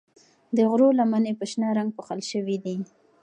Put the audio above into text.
د غرو لمنې په شنه رنګ پوښل شوې دي.